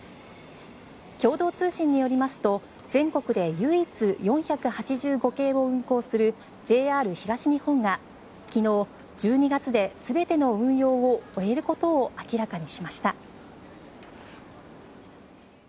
共同通信によりますと全国で唯一４８５系を運行するＪＲ東日本が昨日１２月で全ての運用を終えることを明らかにしました。